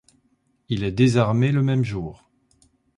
Il est désarmé le même jour.